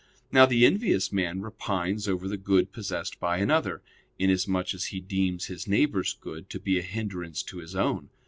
Now the envious man repines over the good possessed by another, inasmuch as he deems his neighbor's good to be a hindrance to his own.